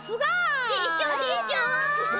でしょでしょ！